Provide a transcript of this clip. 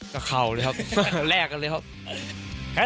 ก็เข่าเลยครับแลกกันเลยครับ